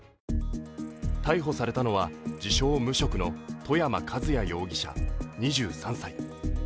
逮捕されたのは自称・無職の外山和也容疑者、２３歳。